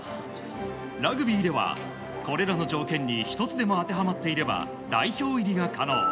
ラグビーでは、これらの条件に１つでも当てはまっていれば代表入りが可能。